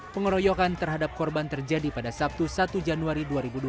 pengeroyokan terhadap korban terjadi pada sabtu satu januari dua ribu dua puluh